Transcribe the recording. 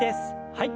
はい。